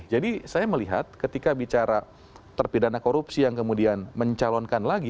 jadi saya melihat ketika bicara terpidana korupsi yang kemudian mencalonkan lagi